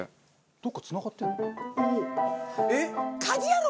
どこかつながってるの？